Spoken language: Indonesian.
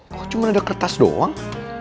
kok cuma ada kertas doang